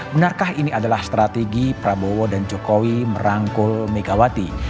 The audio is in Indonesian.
benarkah ini adalah strategi prabowo dan jokowi merangkul megawati